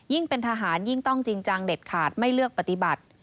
เป็นทหารยิ่งต้องจริงจังเด็ดขาดไม่เลือกปฏิบัติ